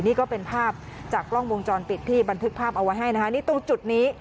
นี่ก็เป็นภาพจากกล้องวงจรปิดที่บันทึกภาพเอาไว้ให้นะคะนี่ตรงจุดนี้